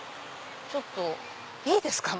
ちょっといいですか？